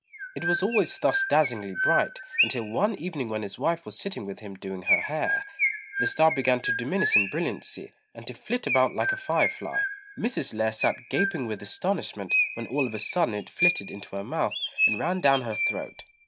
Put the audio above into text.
It was always thus dazzlingly bright, until one evening when his wife was sitting with him doing her hair, the star began to diminish in brilliancy, and to flit about like a fire fly. Mrs. Lê sat gaping with astonishment, when all of a sudden it flitted into her mouth and ran down her throat.